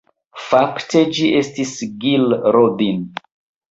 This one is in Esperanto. Fakte ĝin estris Gil Rodin.